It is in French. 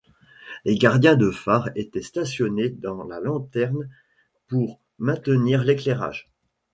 Les gardiens de phare étaient stationnés dans la lanterne pour maintenir l'éclairage.